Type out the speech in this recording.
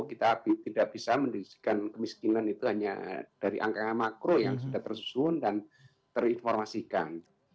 kita tidak bisa mendirikan kemiskinan itu hanya dari angka makro yang sudah tersusun dan terinformasikan